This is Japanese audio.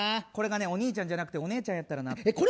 これがお兄ちゃんやなくお姉ちゃんやったらなって。